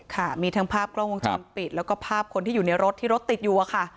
ค่ะมีทั้งภาพกล้องวงจรปิดแล้วก็ภาพคนที่อยู่ในรถที่รถติดอยู่อะค่ะ